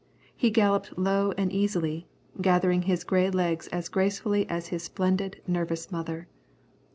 He galloped low and easily, gathering his grey legs as gracefully as his splendid, nervous mother.